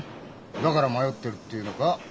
だから迷ってるっていうのか？